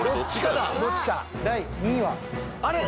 どっちかだ。